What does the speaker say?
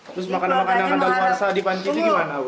terus makanan makanan kadar luasa di panti gimana